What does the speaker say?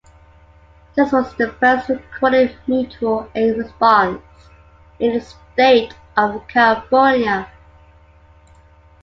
This was the first recorded mutual aid response in the state of California.